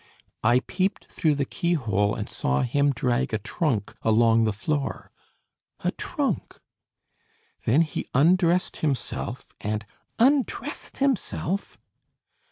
"I peeped through the keyhole, and saw him drag a trunk along the floor." "A trunk?" "Then he undressed himself, and " "Undressed himself!"